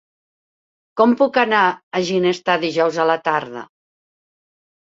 Com puc anar a Ginestar dijous a la tarda?